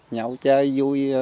nhậu chơi vui